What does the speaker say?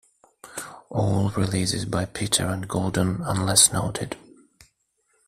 All releases by Peter and Gordon unless noted.